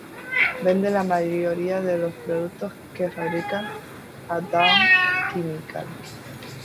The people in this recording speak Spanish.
Vende la mayoría de los productos que fabrica a Dow Chemical.